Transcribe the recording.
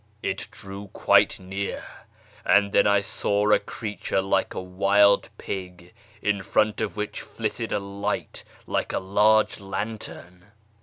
It drew quite near ; and I then saw a creature like a wild pig, in front of which flitted a light like a large lantern.